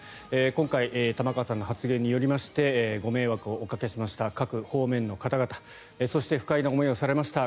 今回玉川さんの発言によりましてご迷惑をおかけしました各方面の方々そして、不快な思いをされました